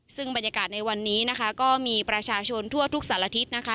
ซึ่งบรรยากาศในวันนี้นะคะก็มีประชาชนทั่วทุกสารทิศนะคะ